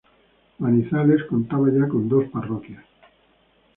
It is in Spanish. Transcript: Manizales contaba ya con dos Parroquias.